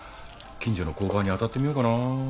近所の交番に当たってみようかな。